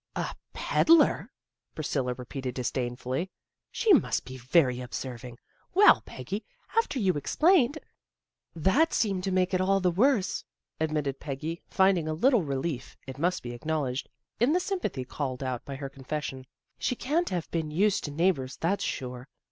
" A pedler! " Priscilla repeated disdainfully. " She must be very observing. Well, Peggy. After you explained " That seemed to make it all the worse," admitted Peggy, finding a little relief, it must be acknowledged, in the sympathy called out by her confession. " She can't have been used to neighbors, that's sure.